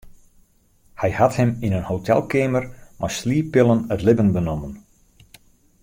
Hy hat him yn in hotelkeamer mei slieppillen it libben benommen.